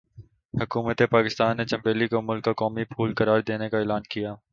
حکومتِ پاکستان نے 'چنبیلی' کو ملک کا قومی پھول قرار دینے کا اعلان کیا۔